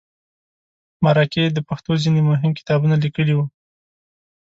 مرکې د پښتو ځینې مهم کتابونه لیکلي وو.